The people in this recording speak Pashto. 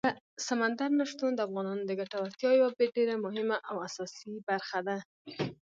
سمندر نه شتون د افغانانو د ګټورتیا یوه ډېره مهمه او اساسي برخه ده.